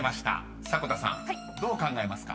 ［迫田さんどう考えますか？］